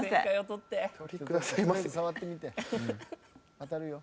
「当たるよ」